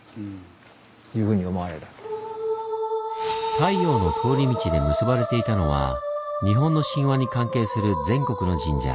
太陽の通り道で結ばれていたのは日本の神話に関係する全国の神社。